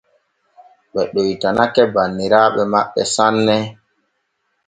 Ɓe ɗoytanake banniraaɓe maɓɓe sanne.